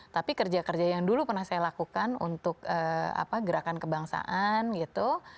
tapi kerja kerja yang dulu pernah saya lakukan untuk gerakan kebangsaan gitu